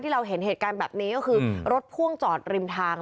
เราเห็นเหตุการณ์แบบนี้ก็คือรถพ่วงจอดริมทาง